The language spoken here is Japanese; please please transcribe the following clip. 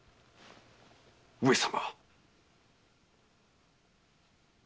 上様。